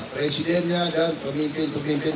presidennya dan pemimpin pemimpin